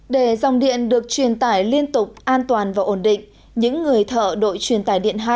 để dòng điện được truyền tải liên tục an toàn và ổn định những người thợ đội truyền tải điện hai